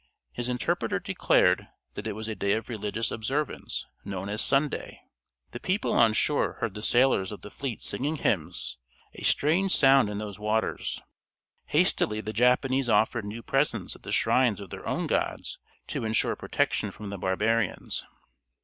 His interpreter declared that it was a day of religious observance, known as Sunday. The people on shore heard the sailors of the fleet singing hymns, a strange sound in those waters. Hastily the Japanese offered new presents at the shrines of their own gods to ensure protection from the barbarians.